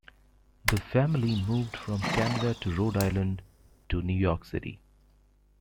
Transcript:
The family moved from Canada to Rhode Island to New York City.